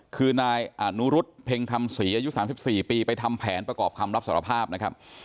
คือนายอนุรุษเพ็งคำศรีอายุ๓๔ปีไปทำแผนประกอบคำรับสารภาพนะครับ